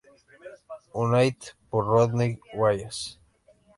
United por Rodney Wallace.